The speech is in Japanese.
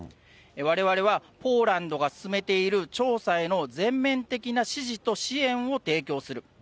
われわれはポーランドが進めている調査への全面的な支持と支援を提供する。